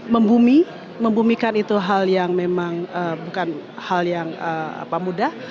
membumi membumikan itu hal yang memang bukan hal yang mudah